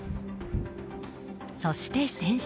そして先週。